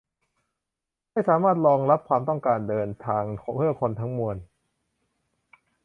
ให้สามารถรองรับความต้องการเดินทางเพื่อคนทั้งมวล